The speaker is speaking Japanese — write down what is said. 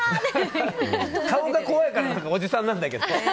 顔が怖いからおじさんなんだけど。